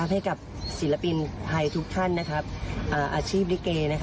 ให้กับศิลปินไทยทุกท่านอาชีพลิเก